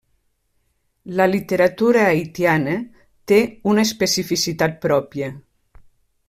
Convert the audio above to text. La literatura haitiana té una especificitat pròpia.